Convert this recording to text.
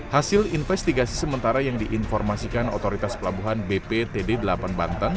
hasil investigasi sementara yang diinformasikan otoritas pelabuhan bptd delapan banten